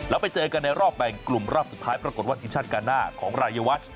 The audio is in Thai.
แล้วไปเจอกันในรอบแบ่งกลุ่มรอบสุดท้ายปรากฏว่าทีมชาติการหน้าของรายวัช